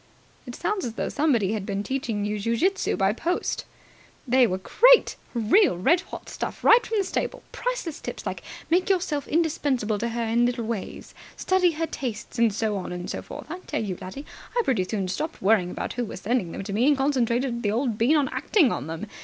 "It sounds as though somebody had been teaching you ju jitsu by post." "They were great! Real red hot stuff straight from the stable. Priceless tips like 'Make yourself indispensable to her in little ways', 'Study her tastes', and so on and so forth. I tell you, laddie, I pretty soon stopped worrying about who was sending them to me, and concentrated the old bean on acting on them.